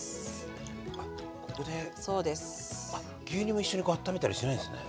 牛乳も一緒にあっためたりしないんですね。